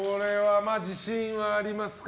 自信はありますか？